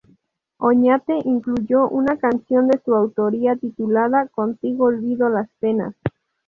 Oñate incluyó una canción de su autoría titulada "Contigo olvido las penas".